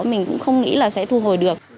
mình cũng không nghĩ là sẽ thu hồi được